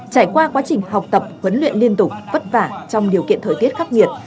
trải qua quá trình học tập huấn luyện liên tục vất vả trong điều kiện thời tiết khắc nghiệt